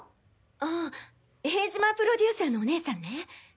ああ塀島プロデューサーのお姉さんね。